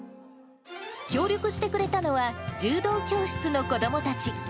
協力してくれたのは柔道教室の子どもたち。